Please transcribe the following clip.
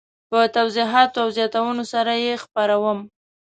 په توضیحاتو او زیاتونو سره یې خپروم.